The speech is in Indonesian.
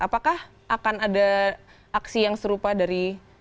apakah akan ada aksi yang serupa dari